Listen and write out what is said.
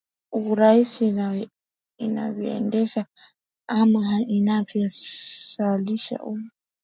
urusi inavyoendesha ama inavyo zalisha nu